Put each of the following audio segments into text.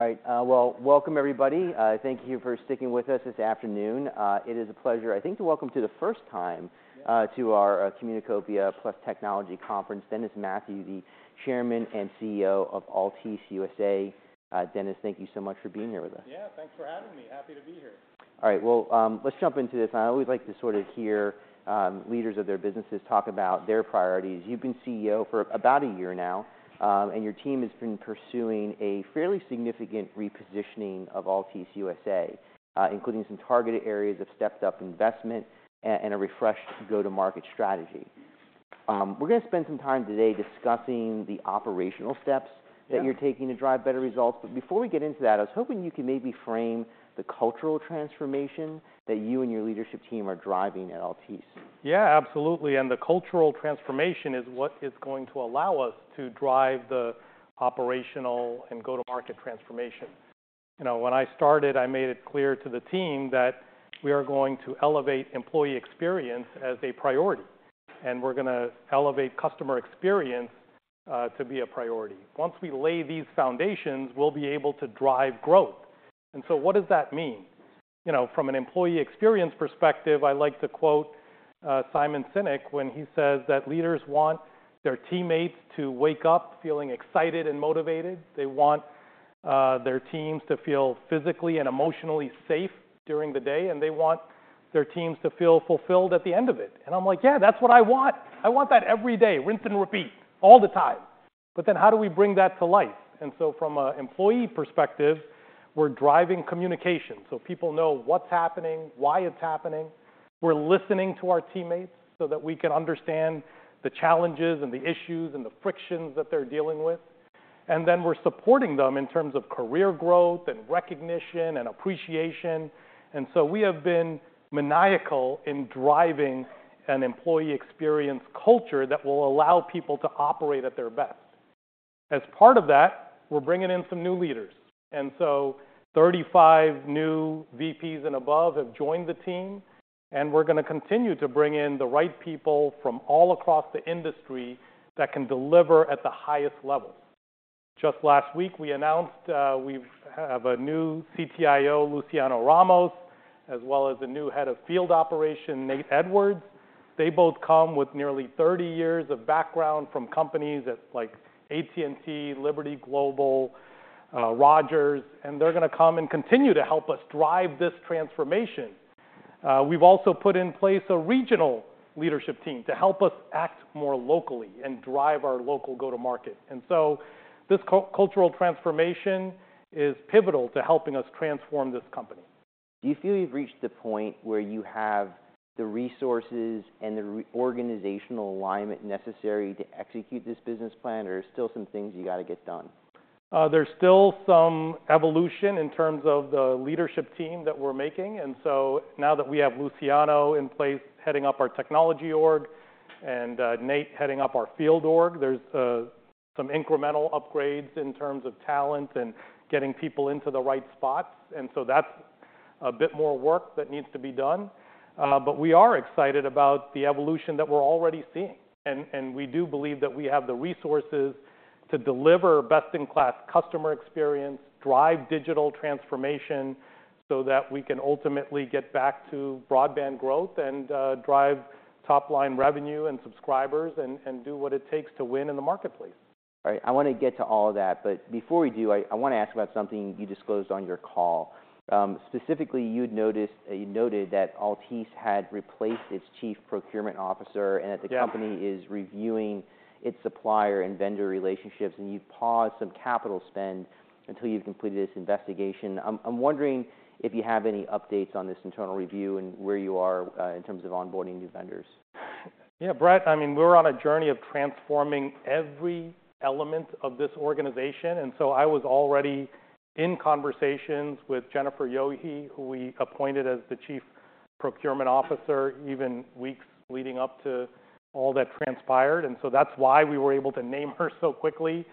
All right, well, welcome everybody. Thank you for sticking with us this afternoon. It is a pleasure, I think, to welcome to the first time to our Communicopia Plus Technology Conference, Dennis Mathew, the Chairman and CEO of Altice USA. Dennis, thank you so much for being here with us. Yeah, thanks for having me. Happy to be here. All right, well, let's jump into this. I always like to sort of hear leaders of their businesses talk about their priorities. You've been CEO for about a year now, and your team has been pursuing a fairly significant repositioning of Altice USA, including some targeted areas of stepped-up investment and a refreshed go-to-market strategy. We're gonna spend some time today discussing the operational steps that you're taking to drive better results. But before we get into that, I was hoping you could maybe frame the cultural transformation that you and your leadership team are driving at Altice. Yeah, absolutely, and the cultural transformation is what is going to allow us to drive the operational and go-to-market transformation. You know, when I started, I made it clear to the team that we are going to elevate employee experience as a priority, and we're gonna elevate customer experience, to be a priority. Once we lay these foundations, we'll be able to drive growth. And so what does that mean? You know, from an employee experience perspective, I like to quote, Simon Sinek when he says that leaders want their teammates to wake up feeling excited and motivated. They want, their teams to feel physically and emotionally safe during the day, and they want their teams to feel fulfilled at the end of it. And I'm like, "Yeah, that's what I want!" I want that every day, rinse and repeat, all the time. But then how do we bring that to life? So from an employee perspective, we're driving communication, so people know what's happening, why it's happening. We're listening to our teammates so that we can understand the challenges, and the issues, and the frictions that they're dealing with. And then we're supporting them in terms of career growth, and recognition, and appreciation. And so we have been maniacal in driving an employee experience culture that will allow people to operate at their best. As part of that, we're bringing in some new leaders, and so 35 new VPs and above have joined the team, and we're gonna continue to bring in the right people from all across the industry that can deliver at the highest level. Just last week, we announced we have a new CTIO, Luciano Ramos, as well as a new Head of Field Operations, Nate Edwards. They both come with nearly 30 years of background from companies like AT&T, Liberty Global, Rogers, and they're gonna come and continue to help us drive this transformation. We've also put in place a regional leadership team to help us act more locally and drive our local go-to-market. And so this cultural transformation is pivotal to helping us transform this company. Do you feel you've reached the point where you have the resources and the reorganizational alignment necessary to execute this business plan, or are there still some things you gotta get done? There's still some evolution in terms of the leadership team that we're making, and so now that we have Luciano in place, heading up our technology org, and, Nate heading up our field org, there's, some incremental upgrades in terms of talent and getting people into the right spots, and so that's a bit more work that needs to be done. But we are excited about the evolution that we're already seeing, and, and we do believe that we have the resources to deliver best-in-class customer experience, drive digital transformation, so that we can ultimately get back to broadband growth and, drive top-line revenue and subscribers and, and do what it takes to win in the marketplace. All right, I wanna get to all of that, but before we do, I wanna ask about something you disclosed on your call. Specifically, you'd noticed, you noted that Altice had replaced its Chief Procurement Officer- Yeah.... and that the company is reviewing its supplier and vendor relationships, and you've paused some capital spend until you've completed this investigation. I'm wondering if you have any updates on this internal review and where you are in terms of onboarding new vendors? Yeah, Brett, I mean, we're on a journey of transforming every element of this organization, and so I was already in conversations with Jennifer Yohe, who we appointed as the Chief Procurement Officer, even weeks leading up to all that transpired. And so that's why we were able to name her so quickly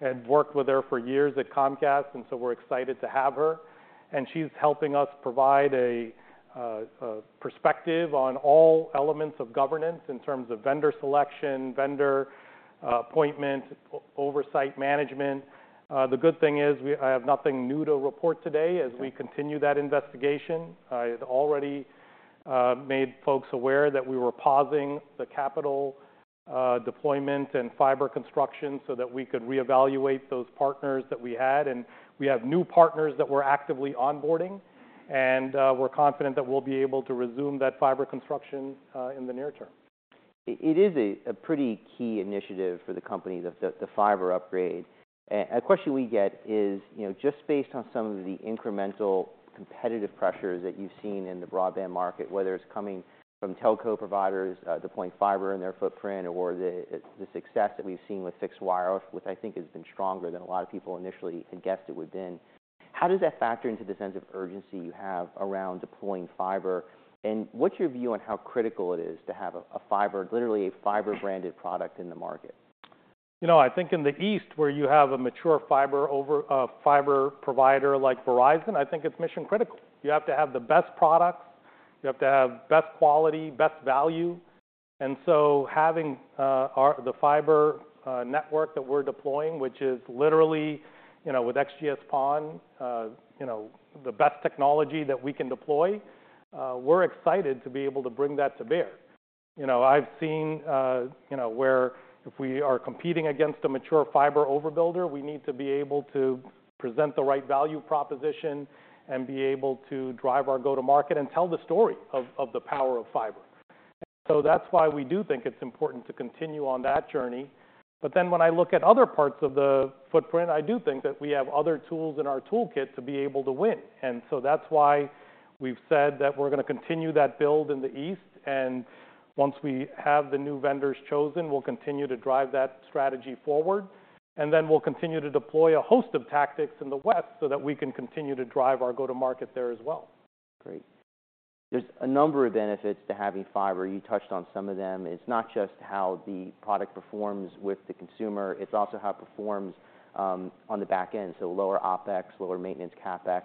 and worked with her for years at Comcast, and so we're excited to have her. And she's helping us provide a perspective on all elements of governance in terms of vendor selection, vendor appointment, oversight management. The good thing is, I have nothing new to report today as we continue that investigation. I had already made folks aware that we were pausing the capital deployment and fiber construction so that we could reevaluate those partners that we had, and we have new partners that we're actively onboarding. And, we're confident that we'll be able to resume that fiber construction in the near term. It is a pretty key initiative for the company, the fiber upgrade. A question we get is, you know, just based on some of the incremental competitive pressures that you've seen in the broadband market, whether it's coming from telco providers deploying fiber in their footprint, or the success that we've seen with fixed wireless, which I think has been stronger than a lot of people initially had guessed it would been, how does that factor into the sense of urgency you have around deploying fiber? And what's your view on how critical it is to have a fiber, literally a fiber-branded product in the market? You know, I think in the East, where you have a mature fiber over a fiber provider like Verizon, I think it's mission-critical. You have to have the best quality, best value. And so having our fiber network that we're deploying, which is literally, you know, with XGS-PON, you know, the best technology that we can deploy, we're excited to be able to bring that to bear. You know, I've seen, you know, where if we are competing against a mature fiber overbuilder, we need to be able to present the right value proposition and be able to drive our go-to-market and tell the story of, of the power of fiber. So that's why we do think it's important to continue on that journey. But then, when I look at other parts of the footprint, I do think that we have other tools in our toolkit to be able to win. And so that's why we've said that we're gonna continue that build in the East, and once we have the new vendors chosen, we'll continue to drive that strategy forward. And then we'll continue to deploy a host of tactics in the West so that we can continue to drive our go-to-market there as well. Great. There's a number of benefits to having fiber. You touched on some of them. It's not just how the product performs with the consumer, it's also how it performs on the back end, so lower OpEx, lower maintenance CapEx.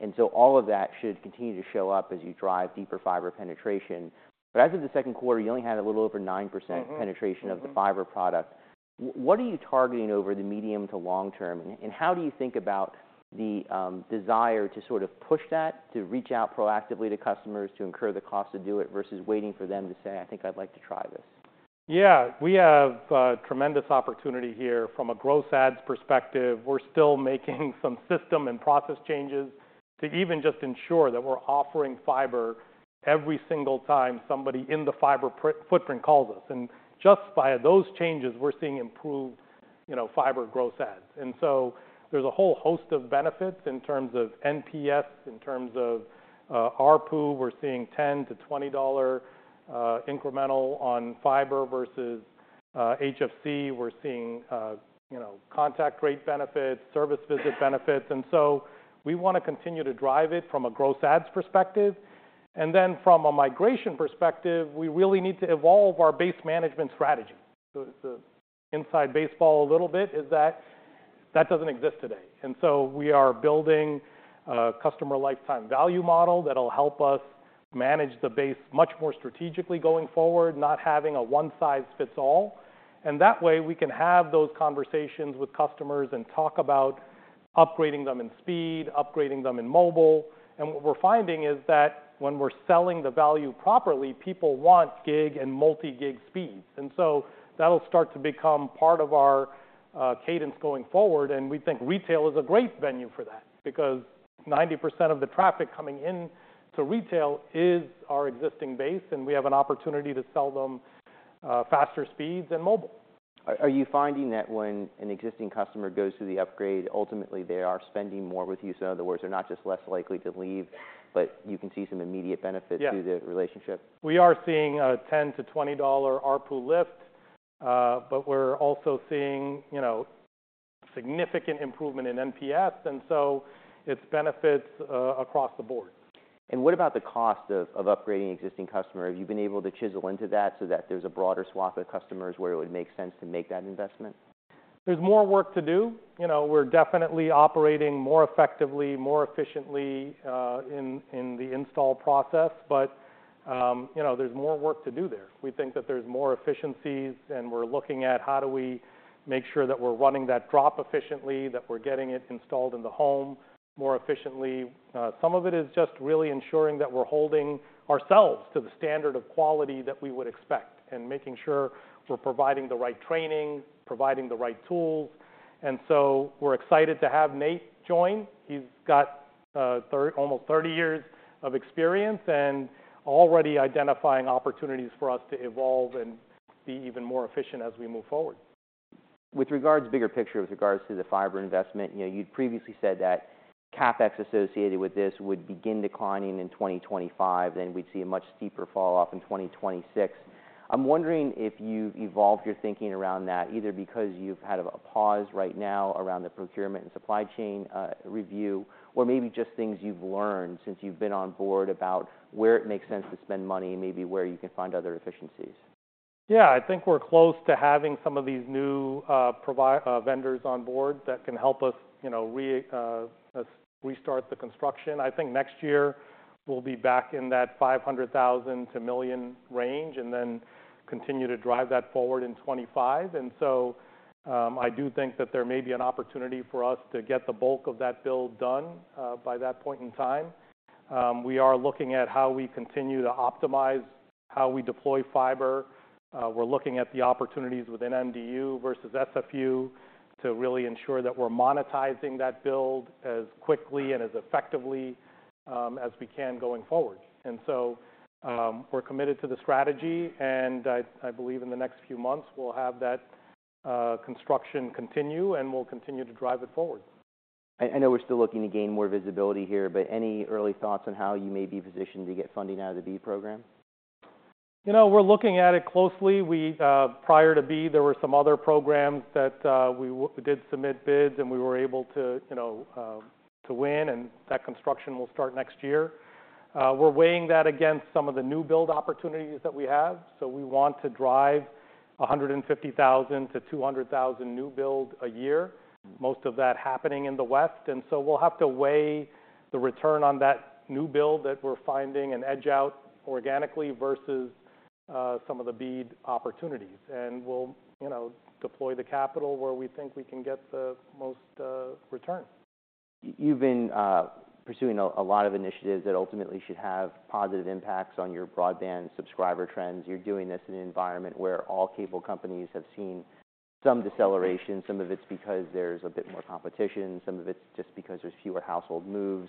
And so all of that should continue to show up as you drive deeper fiber penetration. But as of the second quarter, you only had a little over 9% penetration of the fiber product. What are you targeting over the medium to long term, and, and how do you think about the desire to sort of push that, to reach out proactively to customers, to incur the cost to do it, versus waiting for them to say, "I think I'd like to try this? Yeah, we have tremendous opportunity here. From a gross adds perspective, we're still making some system and process changes to even just ensure that we're offering fiber every single time somebody in the fiber footprint calls us. And just via those changes, we're seeing improved, you know, fiber gross adds. And so there's a whole host of benefits in terms of NPS, in terms of ARPU. We're seeing $10-$20 incremental on fiber versus HFC. We're seeing, you know, contact rate benefits, service visit benefits. And so we want to continue to drive it from a gross adds perspective. And then, from a migration perspective, we really need to evolve our base management strategy. So the inside baseball a little bit is that that doesn't exist today, and so we are building a customer lifetime value model that'll help us manage the base much more strategically going forward, not having a one-size-fits-all. And that way, we can have those conversations with customers and talk about upgrading them in speed, upgrading them in mobile. And what we're finding is that when we're selling the value properly, people want gig and multi-gig speeds. And so that'll start to become part of our cadence going forward, and we think retail is a great venue for that because 90% of the traffic coming in to retail is our existing base, and we have an opportunity to sell them faster speeds and mobile. Are you finding that when an existing customer goes through the upgrade, ultimately they are spending more with you? So in other words, they're not just less likely to leave, but you can see some immediate benefits- Yeah.... to the relationship? We are seeing a $10-$20 ARPU lift, but we're also seeing, you know, significant improvement in NPS, and so its benefits across the board. What about the cost of upgrading an existing customer? Have you been able to chisel into that so that there's a broader swath of customers where it would make sense to make that investment? There's more work to do. You know, we're definitely operating more effectively, more efficiently, in the install process, but, you know, there's more work to do there. We think that there's more efficiencies, and we're looking at how do we make sure that we're running that drop efficiently, that we're getting it installed in the home more efficiently. Some of it is just really ensuring that we're holding ourselves to the standard of quality that we would expect, and making sure we're providing the right training, providing the right tools. And so we're excited to have Nate join. He's got, almost 30 years of experience, and already identifying opportunities for us to evolve and be even more efficient as we move forward. With regards to bigger picture, with regards to the fiber investment, you know, you'd previously said that CapEx associated with this would begin declining in 2025, then we'd see a much steeper falloff in 2026. I'm wondering if you've evolved your thinking around that, either because you've had a pause right now around the procurement and supply chain review, or maybe just things you've learned since you've been on board about where it makes sense to spend money and maybe where you can find other efficiencies. Yeah, I think we're close to having some of these new providers on board that can help us, you know, restart the construction. I think next year we'll be back in that 500,000 to million range, and then continue to drive that forward in 2025. And so, I do think that there may be an opportunity for us to get the bulk of that build done by that point in time. We are looking at how we continue to optimize how we deploy fiber. We're looking at the opportunities within MDU versus SFU to really ensure that we're monetizing that build as quickly and as effectively as we can going forward. We're committed to the strategy, and I believe in the next few months, we'll have that construction continue, and we'll continue to drive it forward. I know we're still looking to gain more visibility here, but any early thoughts on how you may be positioned to get funding out of the BEAD program? You know, we're looking at it closely. Prior to BEAD, there were some other programs that we did submit bids, and we were able to, you know, to win, and that construction will start next year. We're weighing that against some of the new build opportunities that we have, so we want to drive 150,000-200,000 new build a year, most of that happening in the West. And so we'll have to weigh the return on that new build that we're finding and edge out organically versus some of the BEAD opportunities. And we'll, you know, deploy the capital where we think we can get the most return. You've been pursuing a lot of initiatives that ultimately should have positive impacts on your broadband subscriber trends. You're doing this in an environment where all cable companies have seen some deceleration. Some of it's because there's a bit more competition, some of it's just because there's fewer household moves.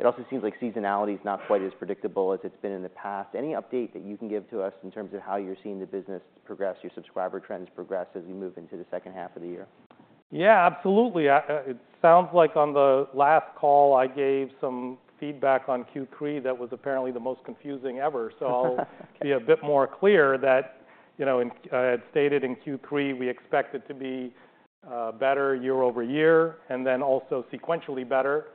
It also seems like seasonality is not quite as predictable as it's been in the past. Any update that you can give to us in terms of how you're seeing the business progress, your subscriber trends progress as you move into the second half of the year? Yeah, absolutely. It sounds like on the last call, I gave some feedback on Q3 that was apparently the most confusing ever. So I'll be a bit more clear that, you know, I had stated in Q3, we expect it to be better year-over-year, and then also sequentially better.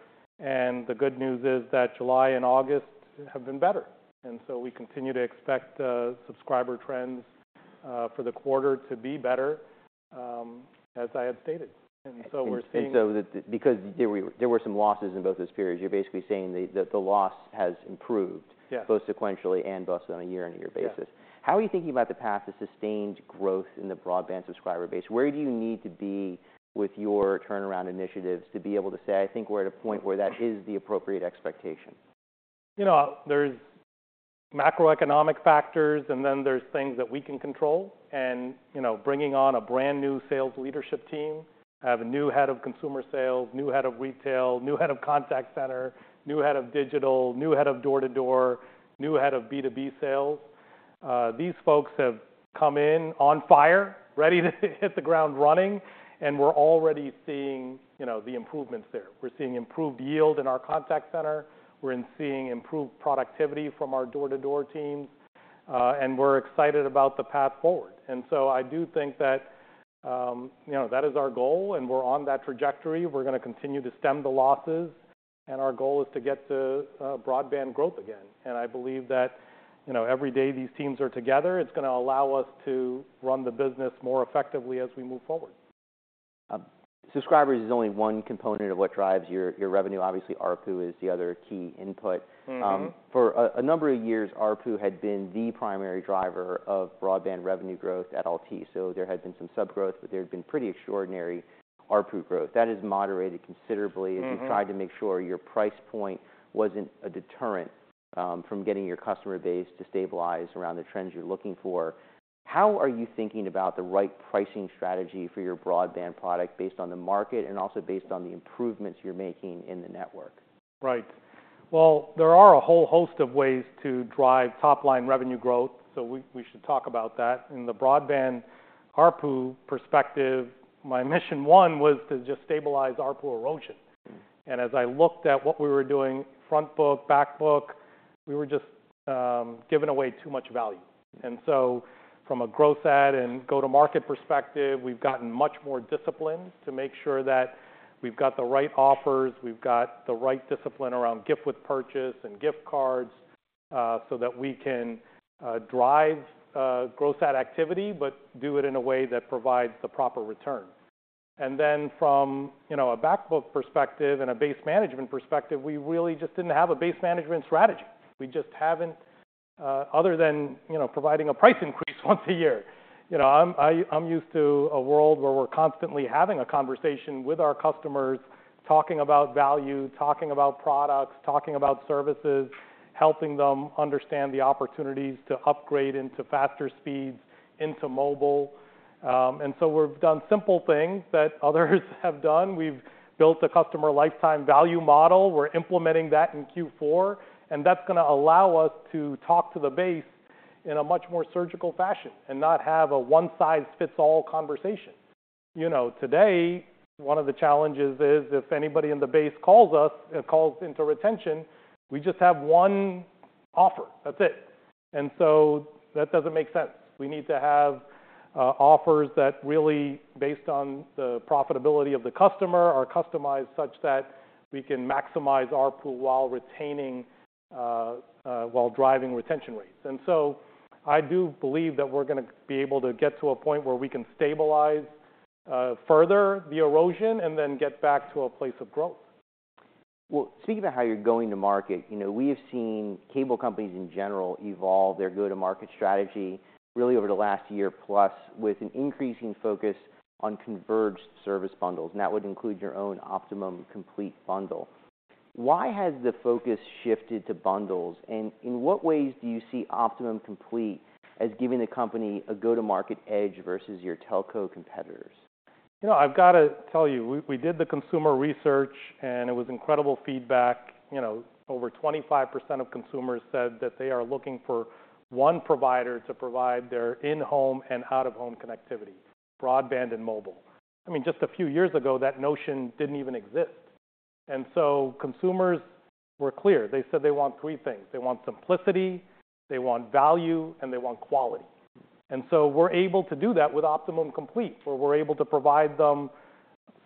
And the good news is that July and August have been better, and so we continue to expect subscriber trends for the quarter to be better, as I had stated. And so we're seeing- And so, because there were some losses in both those periods, you're basically saying that the loss has improved- Yes.... both sequentially and both on a year-over-year basis. Yes. How are you thinking about the path to sustained growth in the broadband subscriber base? Where do you need to be with your turnaround initiatives to be able to say, "I think we're at a point where that is the appropriate expectation? You know, there's macroeconomic factors, and then there's things that we can control. And, you know, bringing on a brand-new sales leadership team, I have a new head of consumer sales, new head of retail, new head of contact center, new head of digital, new head of door-to-door, new head of B2B sales. These folks have come in on fire, ready to hit the ground running, and we're already seeing, you know, the improvements there. We're seeing improved yield in our contact center, we're seeing improved productivity from our door-to-door teams, and we're excited about the path forward. And so I do think that, you know, that is our goal, and we're on that trajectory. We're gonna continue to stem the losses, and our goal is to get to, broadband growth again. I believe that, you know, every day these teams are together, it's gonna allow us to run the business more effectively as we move forward. Subscribers is only one component of what drives your revenue. Obviously, ARPU is the other key input. Mm-hmm. For a number of years, ARPU had been the primary driver of broadband revenue growth at LT. So there had been some sub growth, but there had been pretty extraordinary ARPU growth. That has moderated considerably. Mm-hmm. As you tried to make sure your price point wasn't a deterrent, from getting your customer base to stabilize around the trends you're looking for. How are you thinking about the right pricing strategy for your broadband product based on the market and also based on the improvements you're making in the network? Right. Well, there are a whole host of ways to drive top-line revenue growth, so we, we should talk about that. In the broadband ARPU perspective, my mission one was to just stabilize ARPU erosion. As I looked at what we were doing, front book, back book, we were just giving away too much value. So from a growth ad and go-to-market perspective, we've gotten much more disciplined to make sure that we've got the right offers, we've got the right discipline around gift with purchase and gift cards, so that we can drive growth ad activity, but do it in a way that provides the proper return. Then from, you know, a back book perspective and a base management perspective, we really just didn't have a base management strategy. We just haven't other than, you know, providing a price increase once a year. You know, I'm used to a world where we're constantly having a conversation with our customers, talking about value, talking about products, talking about services, helping them understand the opportunities to upgrade into faster speeds, into mobile. And so we've done simple things that others have done. We've built a customer lifetime value model. We're implementing that in Q4, and that's gonna allow us to talk to the base in a much more surgical fashion and not have a one-size-fits-all conversation. You know, today, one of the challenges is, if anybody in the base calls us, calls into retention, we just have one offer. That's it. And so that doesn't make sense. We need to have offers that really, based on the profitability of the customer, are customized such that we can maximize ARPU while retaining, while driving retention rates. I do believe that we're gonna be able to get to a point where we can stabilize further the erosion and then get back to a place of growth. Well, speaking about how you're going to market, you know, we have seen cable companies in general evolve their go-to-market strategy, really over the last year, plus, with an increasing focus on converged service bundles, and that would include your own Optimum Complete bundle. Why has the focus shifted to bundles, and in what ways do you see Optimum Complete as giving the company a go-to-market edge versus your telco competitors? You know, I've got to tell you, we did the consumer research, and it was incredible feedback. You know, over 25% of consumers said that they are looking for one provider to provide their in-home and out-of-home connectivity, broadband and mobile. I mean, just a few years ago, that notion didn't even exist. And so consumers were clear: They said they want three things. They want simplicity, they want value, and they want quality. And so we're able to do that with Optimum Complete, where we're able to provide them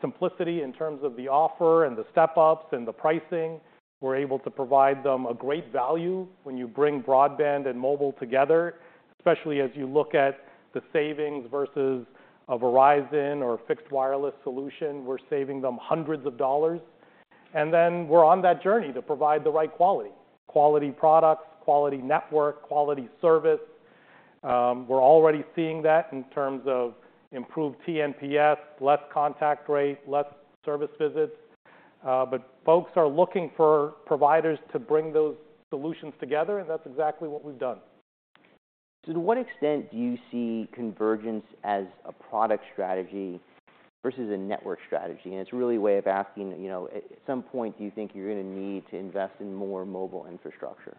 simplicity in terms of the offer and the step-ups and the pricing. We're able to provide them a great value when you bring broadband and mobile together, especially as you look at the savings versus a Verizon or a fixed wireless solution. We're saving them hundreds of dollars, and then we're on that journey to provide the right quality: quality products, quality network, quality service. We're already seeing that in terms of improved TNPS, less contact rate, less service visits, but folks are looking for providers to bring those solutions together, and that's exactly what we've done. To what extent do you see convergence as a product strategy versus a network strategy? It's really a way of asking, you know, at some point, do you think you're gonna need to invest in more mobile infrastructure?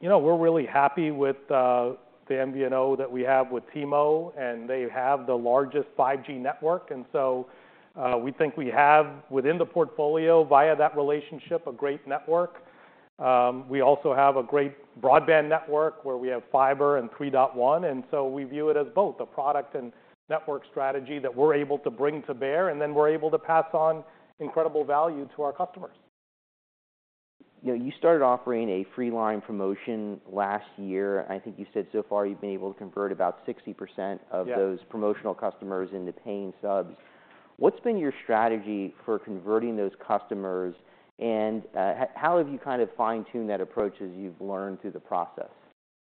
You know, we're really happy with the MVNO that we have with T-Mo, and they have the largest 5G network. And so, we think we have, within the portfolio, via that relationship, a great network. We also have a great broadband network, where we have fiber and 3.1, and so we view it as both a product and network strategy that we're able to bring to bear, and then we're able to pass on incredible value to our customers. You know, you started offering a free line promotion last year. I think you said so far you've been able to convert about 60% of- Yeah.... those promotional customers into paying subs. What's been your strategy for converting those customers, and, how have you kind of fine-tuned that approach as you've learned through the process?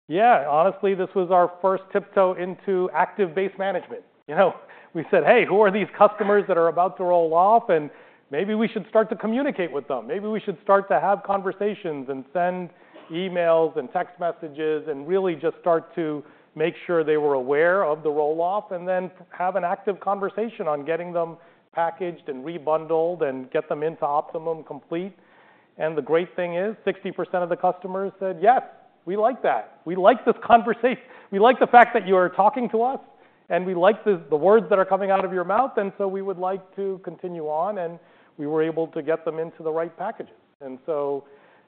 Yeah. Honestly, this was our first tiptoe into active base management. You know, we said, "Hey, who are these customers that are about to roll off? And maybe we should start to communicate with them. Maybe we should start to have conversations and send emails and text messages," and really just start to make sure they were aware of the roll-off, and then have an active conversation on getting them packaged and rebundled and get them into Optimum Complete. And the great thing is, 60% of the customers said, "Yes, we like that. We like this conversation. We like the fact that you are talking to us, and we like the, the words that are coming out of your mouth, and so we would like to continue on." And we were able to get them into the right packages. And so,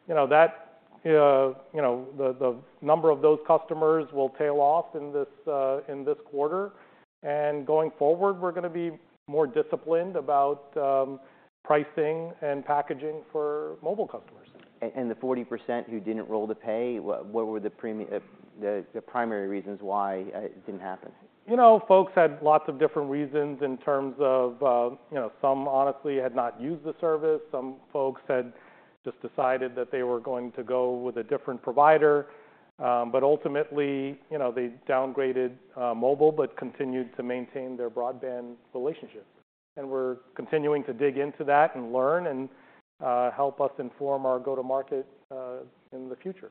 you know, that you know, the number of those customers will tail off in this quarter. And going forward, we're gonna be more disciplined about pricing and packaging for mobile customers. The 40% who didn't roll to pay, what were the primary reasons why it didn't happen? You know, folks had lots of different reasons in terms of. You know, some honestly had not used the service. Some folks had just decided that they were going to go with a different provider, but ultimately, you know, they downgraded mobile, but continued to maintain their broadband relationship. And we're continuing to dig into that and learn and help us inform our go-to-market in the future.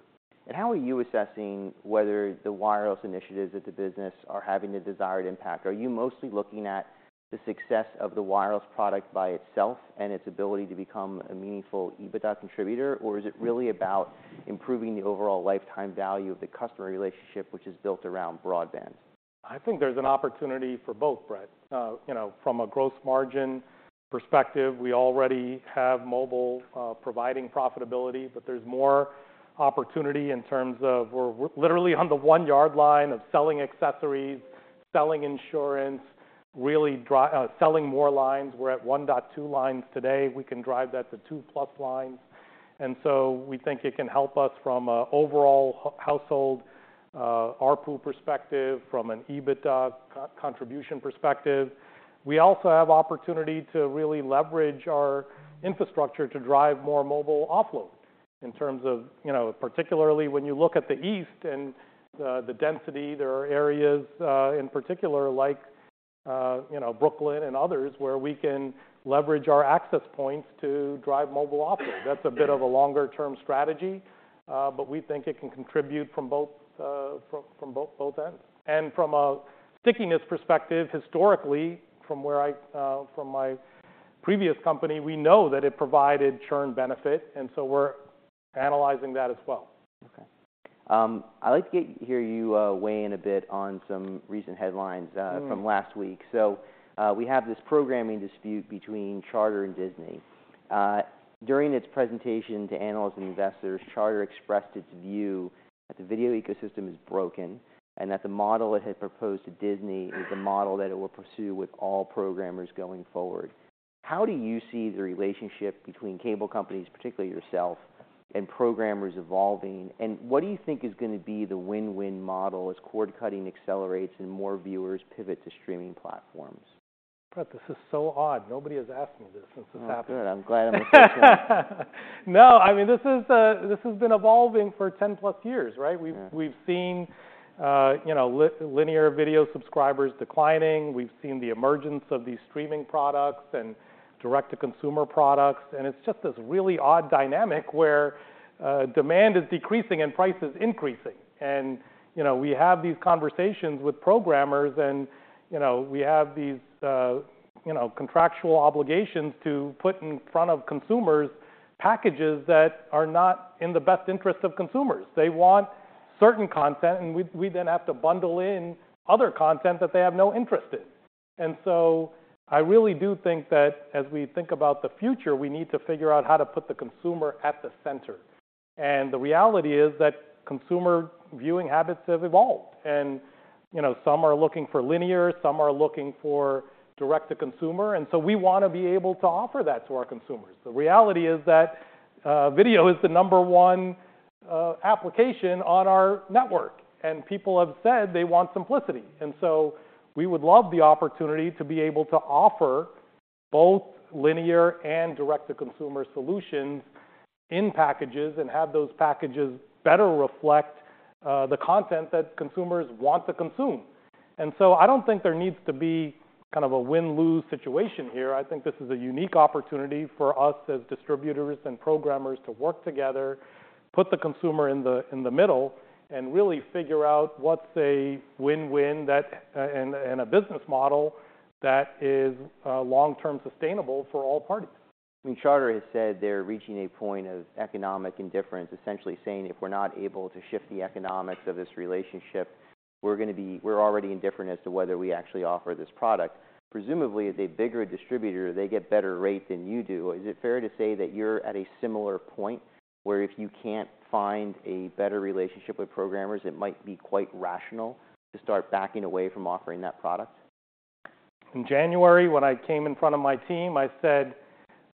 How are you assessing whether the wireless initiatives of the business are having the desired impact? Are you mostly looking at the success of the wireless product by itself and its ability to become a meaningful EBITDA contributor, or is it really about improving the overall lifetime value of the customer relationship, which is built around broadband? I think there's an opportunity for both, Brett. You know, from a gross margin perspective, we already have mobile providing profitability, but there's more opportunity in terms of we're literally on the one-yard line of selling accessories, selling insurance, really selling more lines. We're at 1.2 lines today. We can drive that to 2+ lines, and so we think it can help us from a overall household ARPU perspective, from an EBITDA contribution perspective. We also have opportunity to really leverage our infrastructure to drive more mobile offload in terms of, you know, particularly when you look at the East and the density, there are areas in particular like, you know, Brooklyn and others, where we can leverage our access points to drive mobile offload. That's a bit of a longer-term strategy, but we think it can contribute from both ends. And from a stickiness perspective, historically, from my previous company, we know that it provided churn benefit, and so we're analyzing that as well. Okay. I'd like to get to hear you weigh in a bit on some recent headlines from last week. So, we have this programming dispute between Charter and Disney. During its presentation to analysts and investors, Charter expressed its view that the video ecosystem is broken and that the model it had proposed to Disney is the model that it will pursue with all programmers going forward. How do you see the relationship between cable companies, particularly yourself, and programmers evolving, and what do you think is gonna be the win-win model as cord-cutting accelerates and more viewers pivot to streaming platforms? Brett, this is so odd. Nobody has asked me this since this happened. Oh, good. I'm glad I'm the first one. No, I mean, this is, this has been evolving for 10-plus years, right? Yeah. We've seen, you know, linear video subscribers declining. We've seen the emergence of these streaming products and direct-to-consumer products, and it's just this really odd dynamic where demand is decreasing and price is increasing. And, you know, we have these conversations with programmers, and, you know, we have these, you know, contractual obligations to put in front of consumers packages that are not in the best interest of consumers. They want certain content, and we then have to bundle in other content that they have no interest in. And so I really do think that as we think about the future, we need to figure out how to put the consumer at the center. And the reality is that consumer viewing habits have evolved. You know, some are looking for linear, some are looking for direct-to-consumer, and so we wanna be able to offer that to our consumers. The reality is that video is the number one application on our network, and people have said they want simplicity. So we would love the opportunity to be able to offer both linear and direct-to-consumer solutions in packages, and have those packages better reflect the content that consumers want to consume. I don't think there needs to be kind of a win-lose situation here. I think this is a unique opportunity for us as distributors and programmers to work together, put the consumer in the middle, and really figure out what's a win-win that and a business model that is long-term sustainable for all parties. I mean, Charter has said they're reaching a point of economic indifference, essentially saying, "If we're not able to shift the economics of this relationship, we're gonna be. We're already indifferent as to whether we actually offer this product." Presumably, as a bigger distributor, they get better rates than you do. Is it fair to say that you're at a similar point, where if you can't find a better relationship with programmers, it might be quite rational to start backing away from offering that product? In January, when I came in front of my team, I said,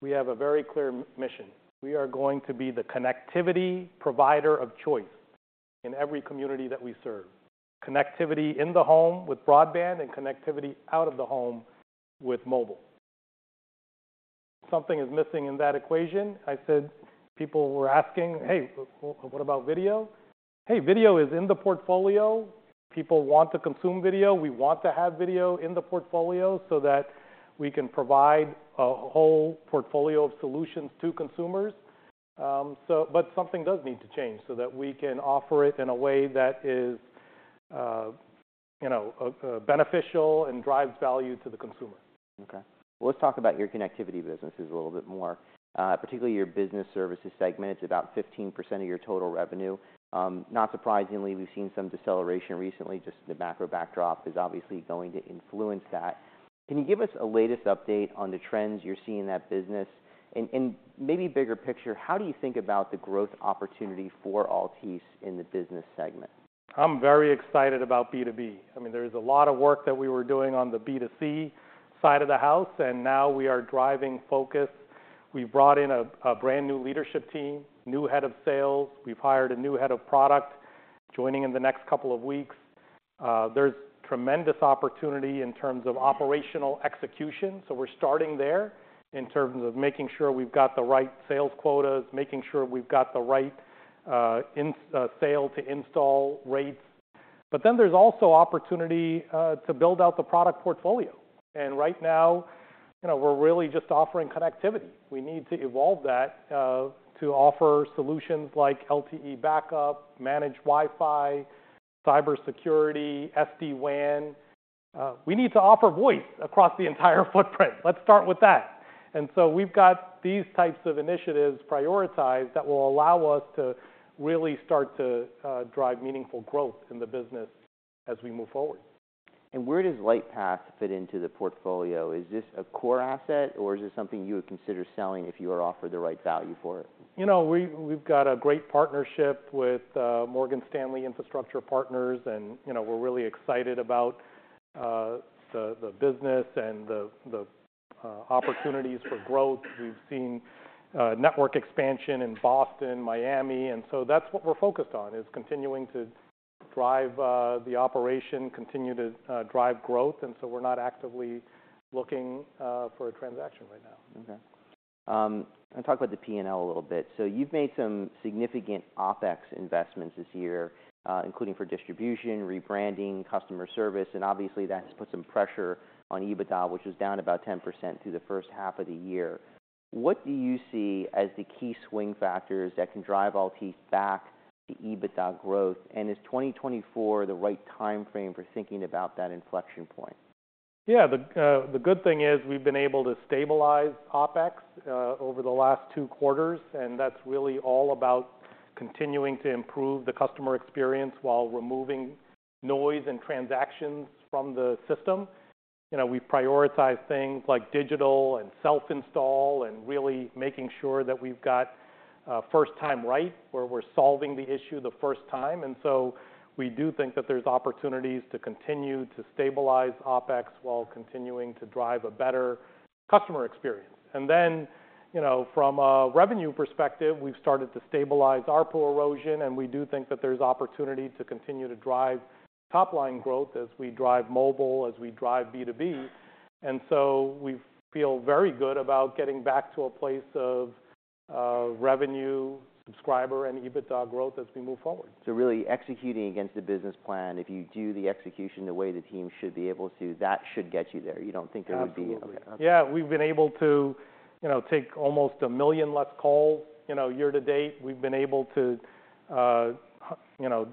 "We have a very clear mission. We are going to be the connectivity provider of choice in every community that we serve, connectivity in the home with broadband and connectivity out of the home with mobile." Something is missing in that equation. I said... People were asking: "Hey, what about video?" Hey, video is in the portfolio. People want to consume video, we want to have video in the portfolio, so that we can provide a whole portfolio of solutions to consumers. So but something does need to change so that we can offer it in a way that is, you know, beneficial and drives value to the consumer. Okay. Let's talk about your connectivity businesses a little bit more, particularly your business services segment. It's about 15% of your total revenue. Not surprisingly, we've seen some deceleration recently. Just the macro backdrop is obviously going to influence that. Can you give us a latest update on the trends you're seeing in that business? And, and maybe bigger picture, how do you think about the growth opportunity for Altice in the business segment? I'm very excited about B2B. I mean, there's a lot of work that we were doing on the B2C side of the house, and now we are driving focus. We brought in a brand-new leadership team, new head of sales. We've hired a new head of product, joining in the next couple of weeks. There's tremendous opportunity in terms of operational execution, so we're starting there, in terms of making sure we've got the right sales quotas, making sure we've got the right sale-to-install rates. But then there's also opportunity to build out the product portfolio. And right now, you know, we're really just offering connectivity. We need to evolve that to offer solutions like LTE backup, managed Wi-Fi, cybersecurity, SD-WAN. We need to offer voice across the entire footprint. Let's start with that. And so we've got these types of initiatives prioritized that will allow us to really start to drive meaningful growth in the business as we move forward. Where does Lightpath fit into the portfolio? Is this a core asset, or is this something you would consider selling if you were offered the right value for it? You know, we've got a great partnership with Morgan Stanley Infrastructure Partners, and, you know, we're really excited about the business and the opportunities for growth. We've seen network expansion in Boston, Miami, and so that's what we're focused on, is continuing to drive the operation, continue to drive growth, and so we're not actively looking for a transaction right now. Okay. I want to talk about the P&L a little bit. So you've made some significant OpEx investments this year, including for distribution, rebranding, customer service, and obviously, that's put some pressure on EBITDA, which was down about 10% through the first half of the year. What do you see as the key swing factors that can drive Altice back to EBITDA growth, and is 2024 the right timeframe for thinking about that inflection point? Yeah. The, the good thing is, we've been able to stabilize OpEx over the last two quarters, and that's really all about continuing to improve the customer experience while removing noise and transactions from the system. You know, we prioritize things like digital and self-install, and really making sure that we've got first time right, where we're solving the issue the first time. And so we do think that there's opportunities to continue to stabilize OpEx while continuing to drive a better customer experience. And then, you know, from a revenue perspective, we've started to stabilize ARPU erosion, and we do think that there's opportunity to continue to drive top-line growth as we drive mobile, as we drive B2B. And so we feel very good about getting back to a place of revenue, subscriber, and EBITDA growth as we move forward. Really executing against the business plan. If you do the execution the way the team should be able to, that should get you there. You don't think there would be- Absolutely. Okay. Yeah. We've been able to, you know, take almost a million less calls, you know, year to date. We've been able to, you know,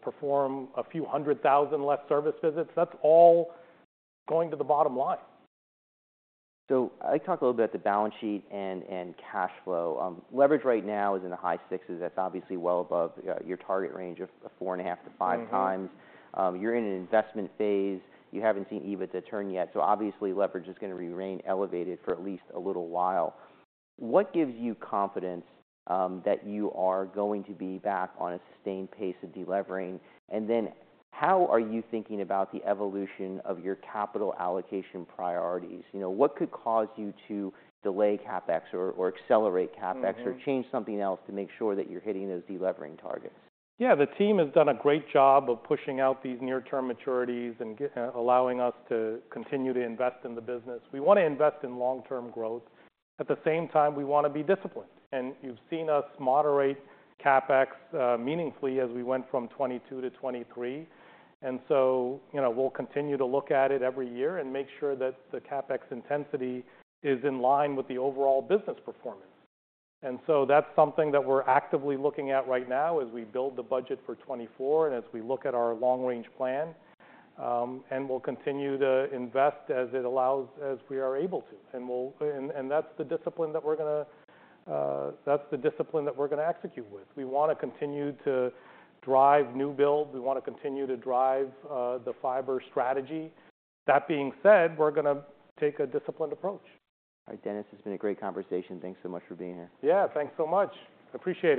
perform a few hundred thousand less service visits. That's all going to the bottom line. I'd like to talk a little about the balance sheet and cash flow. Leverage right now is in the high sixes. That's obviously well above your target range of 4.5x-5x. Mm-hmm. You're in an investment phase. You haven't seen EBITDA turn yet, so obviously, leverage is gonna remain elevated for at least a little while. What gives you confidence that you are going to be back on a sustained pace of delevering? And then, how are you thinking about the evolution of your capital allocation priorities? You know, what could cause you to delay CapEx or accelerate CapEx? Mm-hmm. Or change something else to make sure that you're hitting those delevering targets? Yeah, the team has done a great job of pushing out these near-term maturities and allowing us to continue to invest in the business. We want to invest in long-term growth. At the same time, we want to be disciplined, and you've seen us moderate CapEx meaningfully as we went from 2022 to 2023. And so, you know, we'll continue to look at it every year and make sure that the CapEx intensity is in line with the overall business performance. And so that's something that we're actively looking at right now as we build the budget for 2024 and as we look at our long-range plan. And we'll continue to invest as it allows, as we are able to, and we'll continue to drive new build. And that's the discipline that we're gonna execute with. We wanna continue to drive new build. We wanna continue to drive the fiber strategy. That being said, we're gonna take a disciplined approach. All right, Dennis, it's been a great conversation. Thanks so much for being here. Yeah, thanks so much. Appreciate it.